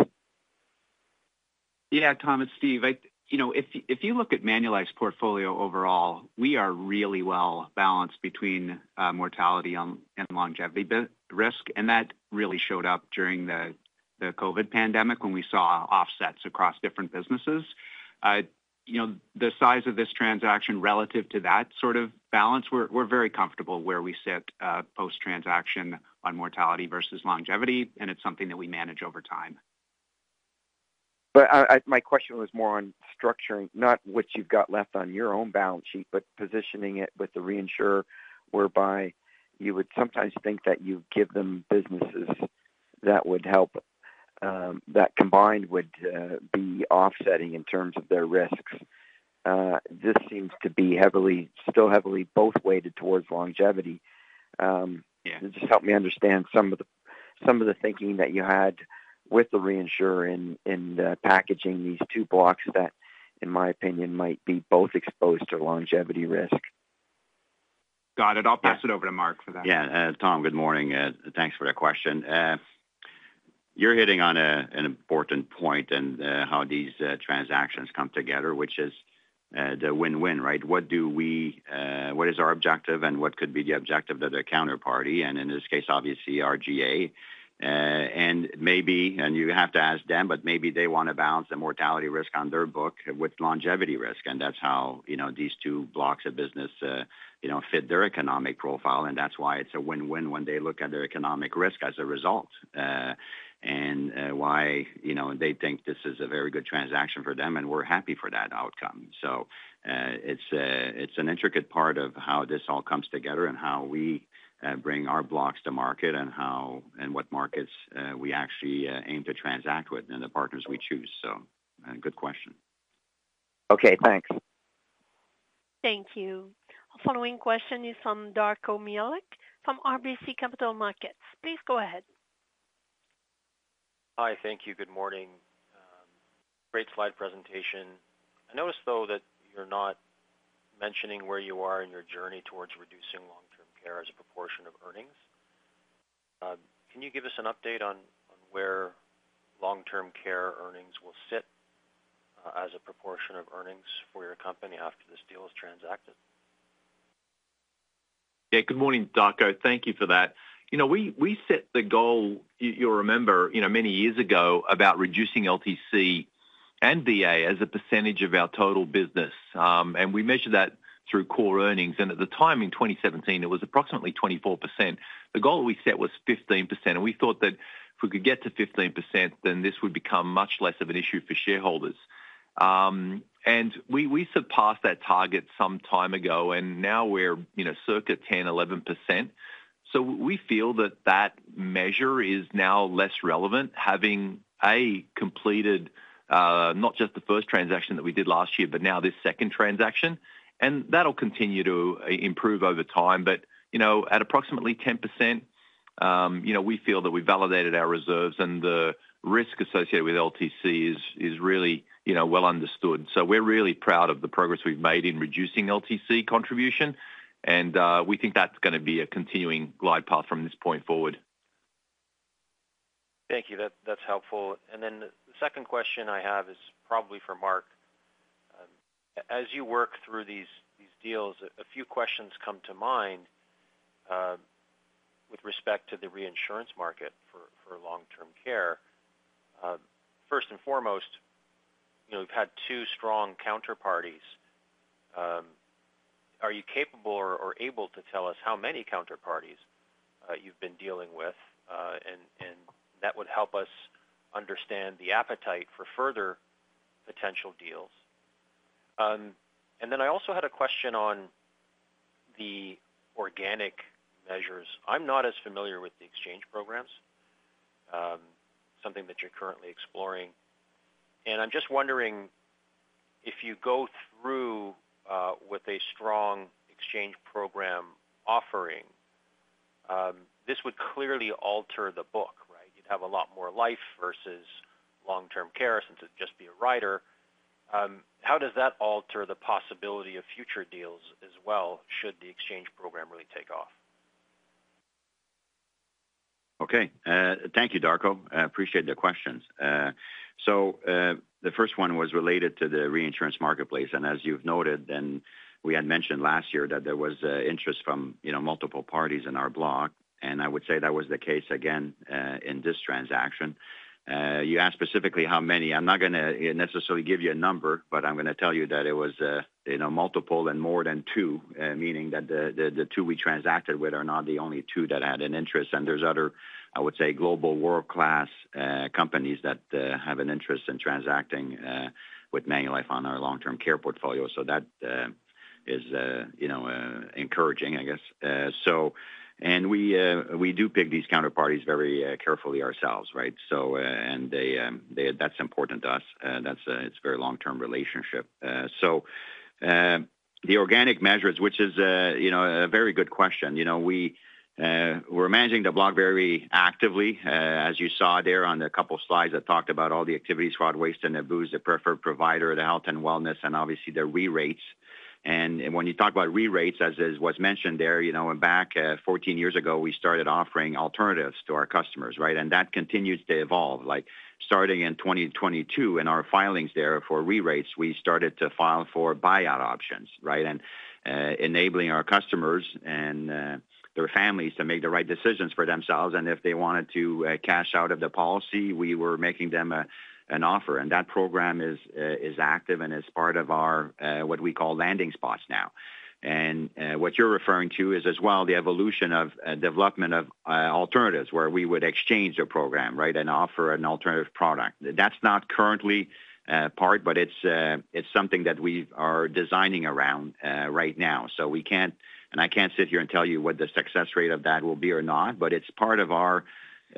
Yeah, Tom, it's Steve. If you look at Manulife's portfolio overall, we are really well balanced between mortality and longevity risk. And that really showed up during the COVID pandemic when we saw offsets across different businesses. The size of this transaction relative to that sort of balance, we're very comfortable where we sit post-transaction on mortality versus longevity, and it's something that we manage over time. But my question was more on structuring, not what you've got left on your own balance sheet, but positioning it with the reinsurer whereby you would sometimes think that you give them businesses that would help that combined would be offsetting in terms of their risks. This seems to be still heavily both weighted towards longevity. Just help me understand some of the thinking that you had with the reinsurer in packaging these two blocks that, in my opinion, might be both exposed to longevity risk. Got it. I'll pass it over to Marc for that. Yeah. Tom, good morning. Thanks for the question. You're hitting on an important point in how these transactions come together, which is the win-win, right? What is our objective and what could be the objective of the counterparty? And in this case, obviously, RGA. And you have to ask them, but maybe they want to balance the mortality risk on their book with longevity risk. And that's how these two blocks of business fit their economic profile. And that's why it's a win-win when they look at their economic risk as a result and why they think this is a very good transaction for them, and we're happy for that outcome. So it's an intricate part of how this all comes together and how we bring our blocks to market and what markets we actually aim to transact with and the partners we choose. So good question. Okay. Thanks. Thank you. Our following question is from Darko Mihelic from RBC Capital Markets. Please go ahead. Hi. Thank you. Good morning. Great slide presentation. I noticed, though, that you're not mentioning where you are in your journey towards reducing long-term care as a proportion of earnings. Can you give us an update on where long-term care earnings will sit as a proportion of earnings for your company after this deal is transacted? Yeah. Good morning, Darko. Thank you for that. We set the goal, you'll remember, many years ago about reducing LTC and VA as a percentage of our total business. And we measured that through core earnings. And at the time in 2017, it was approximately 24%. The goal we set was 15%. And we thought that if we could get to 15%, then this would become much less of an issue for shareholders. And we surpassed that target some time ago, and now we're circa 10%-11%. So we feel that that measure is now less relevant, having completed not just the first transaction that we did last year, but now this second transaction. And that'll continue to improve over time. But at approximately 10%, we feel that we validated our reserves, and the risk associated with LTC is really well understood. So we're really proud of the progress we've made in reducing LTC contribution. And we think that's going to be a continuing glide path from this point forward. Thank you. That's helpful. And then the second question I have is probably for Marc. As you work through these deals, a few questions come to mind with respect to the reinsurance market for long-term care. First and foremost, you've had two strong counterparties. Are you capable or able to tell us how many counterparties you've been dealing with? And that would help us understand the appetite for further potential deals. And then I also had a question on the organic measures. I'm not as familiar with the exchange programs, something that you're currently exploring. And I'm just wondering if you go through with a strong exchange program offering, this would clearly alter the book, right? You'd have a lot more life versus long-term care since it'd just be a rider. How does that alter the possibility of future deals as well should the exchange program really take off? Okay. Thank you, Darko. I appreciate the questions. So the first one was related to the reinsurance marketplace. And as you've noted, then we had mentioned last year that there was interest from multiple parties in our block. And I would say that was the case again in this transaction. You asked specifically how many. I'm not going to necessarily give you a number, but I'm going to tell you that it was multiple and more than two, meaning that the two we transacted with are not the only two that had an interest. And there's other, I would say, global world-class companies that have an interest in transacting with Manulife on our long-term care portfolio. So that is encouraging and we do pick these counterparties very carefully ourselves, right? And that's important to us. It's a very long-term relationship. The organic measures, which is a very good question. We're managing the block very actively, as you saw there on a couple of slides that talked about all the activities: fraud, waste, and abuse, the preferred provider, the health and wellness, and obviously the re-rates. And when you talk about re-rates, as was mentioned there, back 14 years ago, we started offering alternatives to our customers, right? And that continues to evolve. Starting in 2022, in our filings there for re-rates, we started to file for buyout options, right? And enabling our customers and their families to make the right decisions for themselves. And if they wanted to cash out of the policy, we were making them an offer. And that program is active and is part of what we call landing spots now. And what you're referring to is as well the evolution of development of alternatives where we would exchange a program, right, and offer an alternative product. That's not currently part, but it's something that we are designing around right now. And I can't sit here and tell you what the success rate of that will be or not, but it's part of our,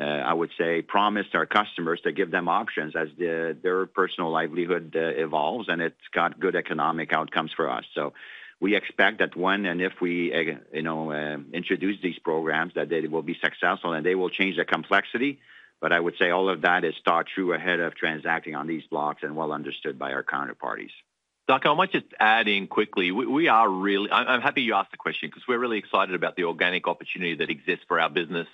I would say, promise to our customers to give them options as their personal livelihood evolves. And it's got good economic outcomes for us. So we expect that when and if we introduce these programs, that they will be successful and they will change the complexity. But I would say all of that is thought through ahead of transacting on these blocks and well understood by our counterparties. Darko, I'll add it quickly. I'm happy you asked the question because we're really excited about the organic opportunity that exists for our business.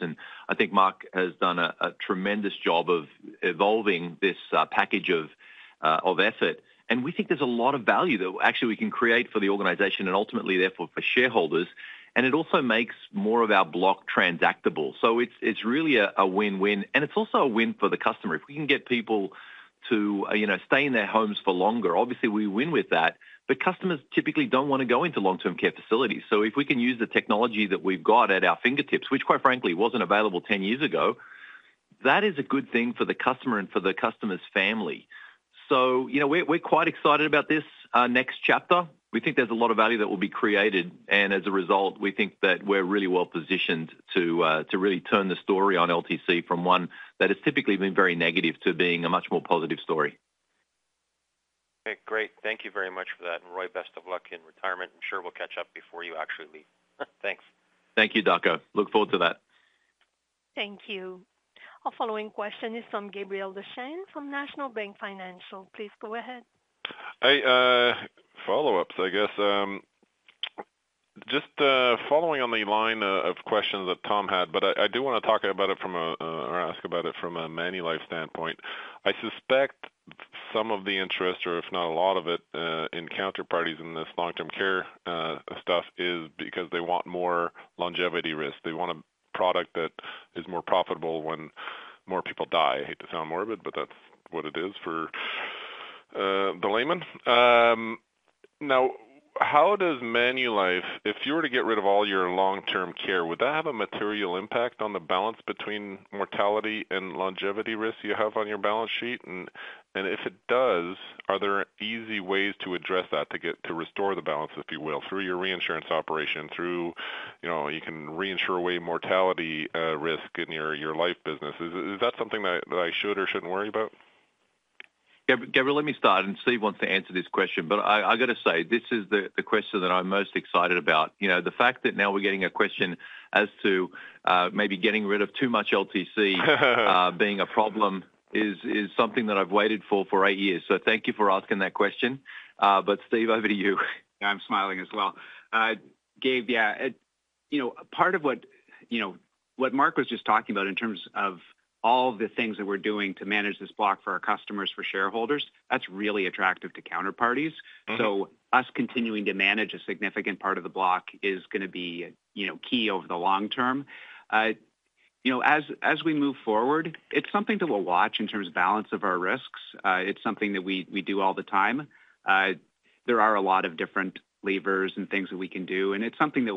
I think Marc has done a tremendous job of evolving this package of effort. We think there's a lot of value that actually we can create for the organization and ultimately, therefore, for shareholders. And it also makes more of our block transactable, so it's really a win-win, and it's also a win for the customer. If we can get people to stay in their homes for longer, obviously, we win with that, but customers typically don't want to go into long-term care facilities. So if we can use the technology that we've got at our fingertips, which, quite frankly, wasn't available 10 years ago, that is a good thing for the customer and for the customer's family. We're quite excited about this next chapter. We think there's a lot of value that will be created. As a result, we think that we're really well positioned to really turn the story on LTC from one that has typically been very negative to being a much more positive story. Okay. Great. Thank you very much for that. Enjoy best of luck in retirement. I'm sure we'll catch up before you actually leave. Thanks. Thank you, Darko. Look forward to that. Thank you. Our following question is from Gabriel Dechaine from National Bank Financial. Please go ahead. Follow-ups, just following on the line of questions that Tom had, but I do want to talk about it from a or ask about it from a Manulife standpoint. I suspect some of the interest, or if not a lot of it, in counterparties in this long-term care stuff is because they want more longevity risk. They want a product that is more profitable when more people die. I hate to sound morbid, but that's what it is for the layman. Now, how does Manulife, if you were to get rid of all your long-term care, would that have a material impact on the balance between mortality and longevity risk you have on your balance sheet? And if it does, are there easy ways to address that, to restore the balance, if you will, through your reinsurance operation, through you can reinsure away mortality risk in your life business? Is that something that I should or shouldn't worry about? Gabriel, let me start, and Steve wants to answer this question, but I got to say, this is the question that I'm most excited about. The fact that now we're getting a question as to maybe getting rid of too much LTC being a problem is something that I've waited for eight years, so thank you for asking that question, but Steve, over to you. Yeah, I'm smiling as well. Gabe, yeah. Part of what Marc was just talking about in terms of all the things that we're doing to manage this block for our customers, for shareholders, that's really attractive to counterparties, so us continuing to manage a significant part of the block is going to be key over the long term. As we move forward, it's something that we'll watch in terms of balance of our risks. It's something that we do all the time. There are a lot of different levers and things that we can do, and it's something that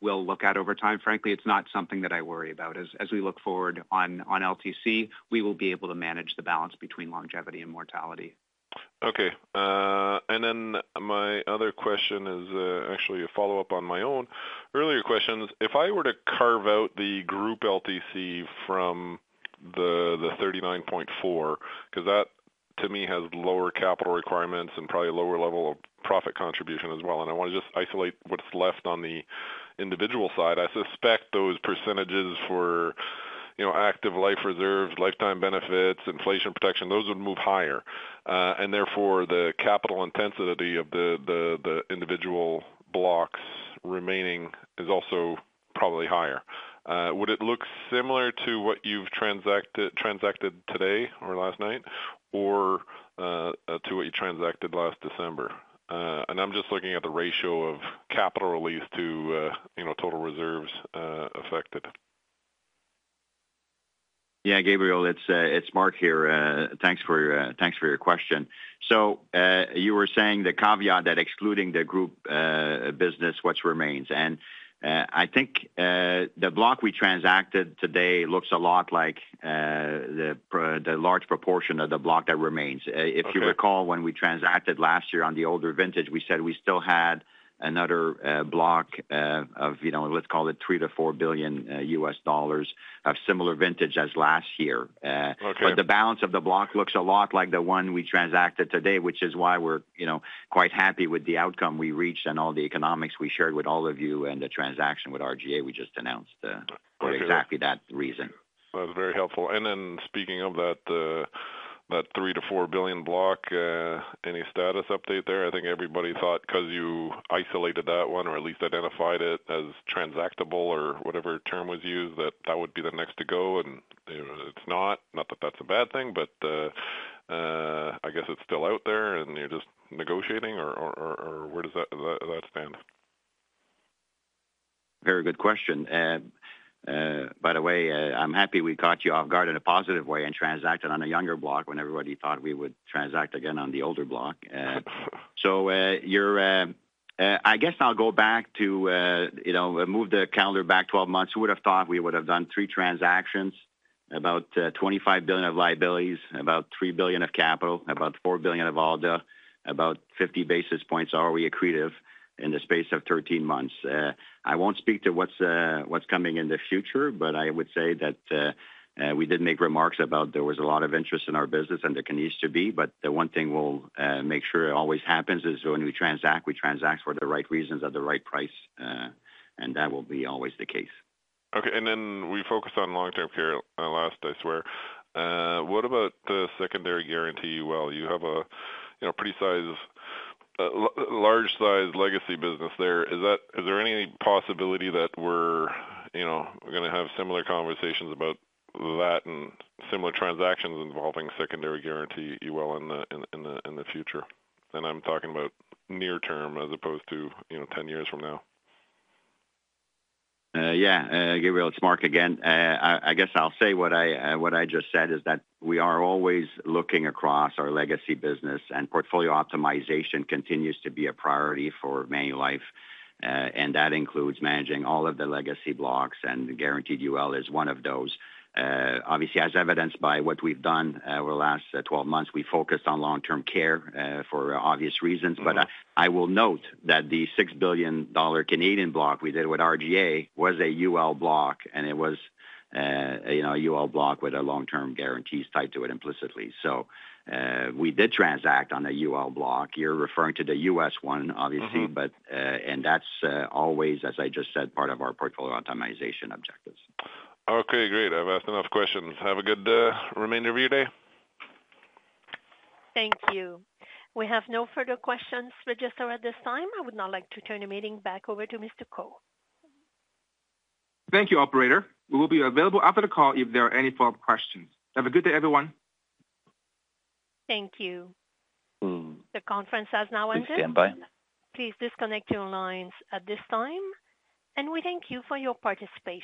we'll look at over time. Frankly, it's not something that I worry about. As we look forward on LTC, we will be able to manage the balance between longevity and mortality. Okay. And then my other question is actually a follow-up on my own earlier questions. If I were to carve out the group LTC from the 39.4%, because that, to me, has lower capital requirements and probably a lower level of profit contribution as well. And I want to just isolate what's left on the individual side. I suspect those percentages for active life reserves, lifetime benefits, inflation protection, those would move higher. And therefore, the capital intensity of the individual blocks remaining is also probably higher. Would it look similar to what you've transacted today or last night or to what you transacted last December? And I'm just looking at the ratio of capital release to total reserves affected. Yeah, Gabriel, it's Marc here. Thanks for your question. So you were saying the caveat that excluding the group business, what remains. And I think the block we transacted today looks a lot like the large proportion of the block that remains. If you recall, when we transacted last year on the older vintage, we said we still had another block of, let's call it, $3 billion to $4 billion of similar vintage as last year. But the balance of the block looks a lot like the one we transacted today, which is why we're quite happy with the outcome we reached and all the economics we shared with all of you and the transaction with RGA we just announced for exactly that reason. That's very helpful. And then speaking of that 3 billion to 4 billion block, any status update there? I think everybody thought because you isolated that one or at least identified it as transactable or whatever term was used, that that would be the next to go. And it's not. Not that that's a bad thing, but I guess it's still out there and you're just negotiating or where does that stand? Very good question. By the way, I'm happy we caught you off guard in a positive way and transacted on a younger block when everybody thought we would transact again on the older block. So I'll go back to move the calendar back 12 months. Who would have thought we would have done three transactions, about $25 billion of liabilities, about $3 billion of capital, about $4 billion of ALDA, about 50 basis points ROE accretive in the space of 13 months? I won't speak to what's coming in the future, but I would say that we did make remarks about there was a lot of interest in our business and there continues to be. But the one thing we'll make sure always happens is when we transact, we transact for the right reasons at the right price. And that will be always the case. Okay. And then we focused on long-term care last, I swear. What about the secondary guarantee? Well, you have a pretty large-sized legacy business there. Is there any possibility that we're going to have similar conversations about that and similar transactions involving secondary guarantee UL in the future? And I'm talking about near-term as opposed to 10 years from now. Yeah. Gabriel, it's Marc again. I guess I'll say what I just said is that we are always looking across our legacy business, and portfolio optimization continues to be a priority for Manulife, and that includes managing all of the legacy blocks, and guaranteed UL is one of those. Obviously, as evidenced by what we've done over the last 12 months, we focused on long-term care for obvious reasons, but I will note that the $6 billion Canadian block we did with RGA was a UL block, and it was a UL block with a long-term guarantees tied to it implicitly, so we did transact on a UL block. You're referring to the U.S. one, obviously, but that's always, as I just said, part of our portfolio optimization objectives. Okay. Great. I've asked enough questions. Have a good remainder of your day. Thank you. We have no further questions registered at this time. I would now like to turn the meeting back over to Mr. Ko. Thank you, Operator. We will be available after the call if there are any follow-up questions. Have a good day, everyone. Thank you. The conference has now ended. Please stand by. Please disconnect your lines at this time. We thank you for your participation.